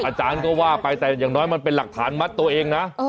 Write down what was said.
อาจารย์ก็ว่าไปแต่อย่างน้อยมันเป็นหลักฐานมัดตัวเองนะ